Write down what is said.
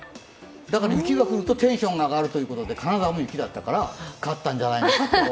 だから雪が降るとテンションが上がるということで金沢も雪だったから勝ったんじゃないのかと。